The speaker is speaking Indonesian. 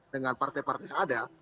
dengan partai partai yang ada